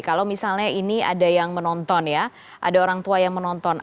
kalau misalnya ini ada yang menonton ya ada orang tua yang menonton